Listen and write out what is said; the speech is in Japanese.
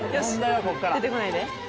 よし出てこないで。